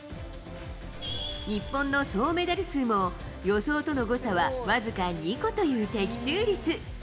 日本の総メダル数も、予想との誤差は僅か２個という的中率。